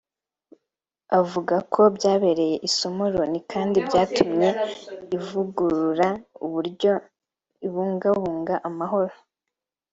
avuga ko byabereye isomo Loni kandi byatumye ivugurura uburyo ibungabunga amahoro